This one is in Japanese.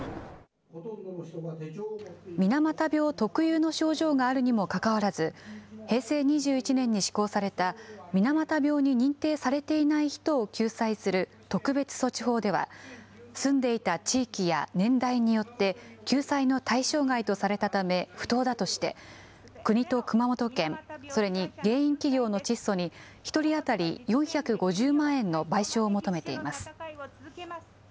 水俣病特有の症状があるにもかかわらず、平成２１年に施行された水俣病に認定されていない人を救済する特別措置法では、住んでいた地域や年代によって、救済の対象外とされたため、不当だとして、国と熊本県、それに原因企業のチッソに１人当たり４５０万円の賠償を求めています。